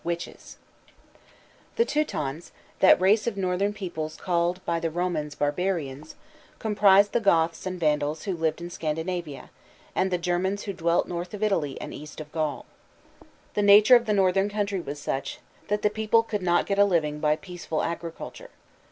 WITCHES The Teutons, that race of northern peoples called by the Romans, "barbarians," comprised the Goths and Vandals who lived in Scandinavia, and the Germans who dwelt north of Italy and east of Gaul. The nature of the northern country was such that the people could not get a living by peaceful agriculture.